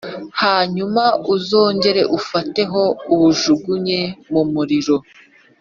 hanyuma uzongere ufateho uwujugunye mu muriro